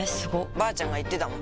ばあちゃんが言ってたもん